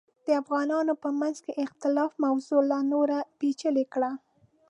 د افغانانو په منځ کې اختلاف موضوع لا نوره پیچلې کړه.